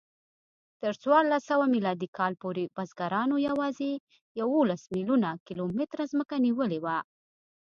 تر څوارلسسوه میلادي کال پورې بزګرانو یواځې یوولس میلیونه کیلومتره ځمکه نیولې وه.